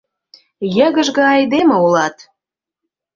— Йыгыжге айдеме улат!»